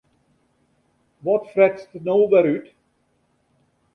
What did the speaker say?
Wat fretst no wer út?